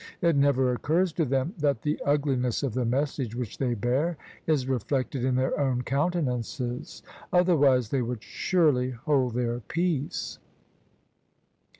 It never occurs to them that the ugliness of the message which they bear is reflected in their own countenances: otherwise they would surely hold their peace.